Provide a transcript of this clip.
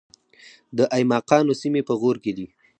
د ایماقانو سیمې په غور کې دي